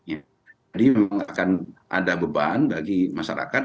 jadi memang akan ada beban bagi masyarakat